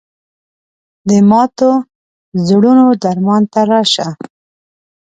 د ماتو زړونو درمان ته راشه